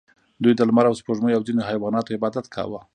دوی د لمر او سپوږمۍ او ځینو حیواناتو عبادت کاوه